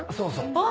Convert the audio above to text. あっ！